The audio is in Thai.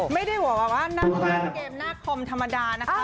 ไม่ได้บอกว่านั่งเล่นเกมหน้าคอมธรรมดานะคะ